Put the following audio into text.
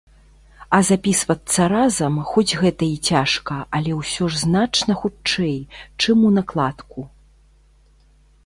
А запісвацца разам, хоць гэта і цяжка, але ўсё ж значна хутчэй, чым унакладку.